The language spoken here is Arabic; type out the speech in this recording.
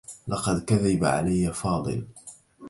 لقد كذب علي فاضل.